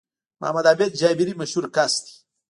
محمد عابد جابري مشهور کس دی